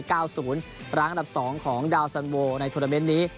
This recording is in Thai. ร้านข้างดับ๒ของดาวสันโวในทวนเตอร์เมนต์นี้